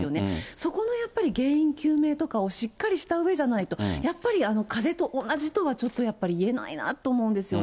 そこのやっぱり原因究明とかをしっかりしたうえじゃないと、やっぱりかぜと同じとは、ちょっとやっぱり、言えないなと思うんですよね。